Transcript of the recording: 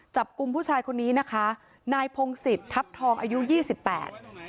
จับกลุ่มผู้ชายคนนี้นะคะนายพงศิษย์ทัพทองอายุยี่สิบแปด